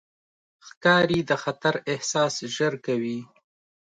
ښکاري د خطر احساس ژر کوي.